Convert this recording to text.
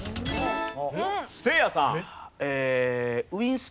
せいやさん。